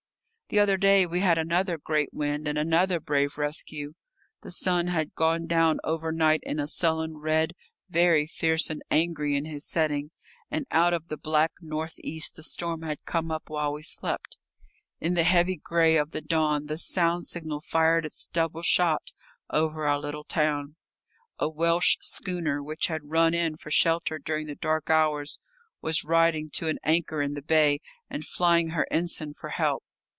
The other day we had another great wind and another brave rescue. The sun had gone down overnight in a sullen red, very fierce and angry in his setting, and out of the black north east the storm had come up while we slept. In the heavy grey of the dawn the sound signal fired its double shot over our little town. A Welsh schooner, which had run in for shelter during the dark hours, was riding to an anchor in the bay and flying her ensign for help.